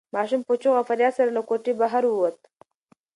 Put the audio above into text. ماشوم په چیغو او فریاد سره له کوټې بهر ووت.